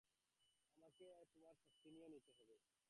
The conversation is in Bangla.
আমাকে তোমার শক্তি নিয়ে নিতে হবে।